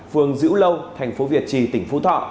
phường dữ lâu tp việt trì tp thọ